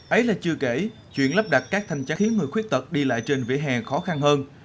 ấy là chưa kể chuyện lắp đặt các thanh chác khiến người khuyết tật đi lại trên vỉa hè khó khăn hơn